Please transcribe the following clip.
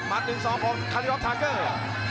หมัดหนึ่งสองของคัลลี่รอบทักเกอร์